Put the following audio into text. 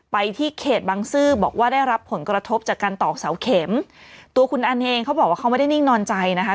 ไปที่เขตบังซื้อบอกว่าได้รับผลกระทบจากการตอกเสาเข็มตัวคุณอันเองเขาบอกว่าเขาไม่ได้นิ่งนอนใจนะคะ